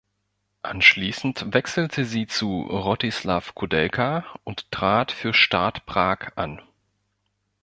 Anschließend wechselte sie zu Rostislav Koudelka und trat für Start Prag an.